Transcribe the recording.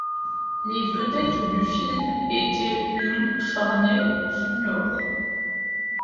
Les vedettes du film étaient Lon Chaney, Jr.